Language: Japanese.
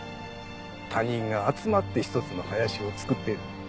他人が集まって一つの林を作ってる。